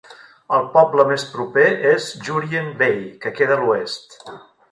El poble més proper és Jurien Bay, que queda a l'oest.